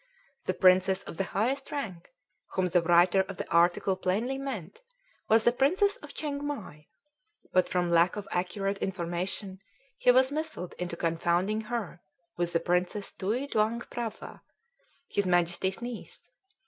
The "princess of the highest rank," whom the writer of the article plainly meant, was the Princess of Chiengmai; but from lack of accurate information he was misled into confounding her with the Princess Tui Duang Prabha, his Majesty's niece.